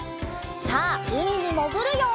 さあうみにもぐるよ！